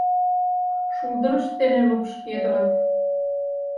Шулдырышт дене лупшкедылыт.